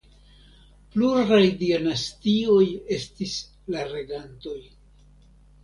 Pluraj dinastioj estis la regantoj.